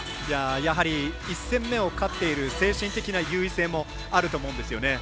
やはり１戦目を勝っている精神的な優位性もあると思うんですよね。